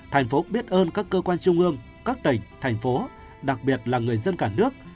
tp biết ơn các cơ quan trung ương các tỉnh tp đặc biệt là người dân cả nước